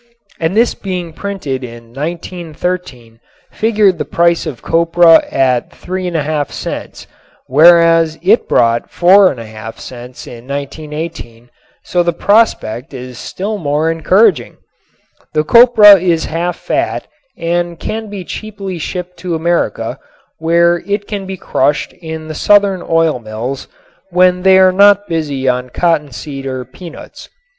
And this being printed in 1913 figured the price of copra at 3 1/2 cents, whereas it brought 4 1/2 cents in 1918, so the prospect is still more encouraging. The copra is half fat and can be cheaply shipped to America, where it can be crushed in the southern oilmills when they are not busy on cottonseed or peanuts.